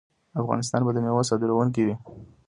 افغانستان به د میوو صادروونکی وي.